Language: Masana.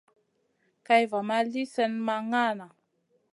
Kay va ma li slèhna ma ŋahna.